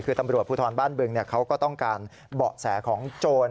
คือตำรวจภูทรบ้านบึงเขาก็ต้องการเบาะแสของโจร